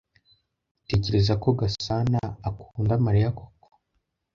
Utekereza ko Gasanaakunda Mariya koko?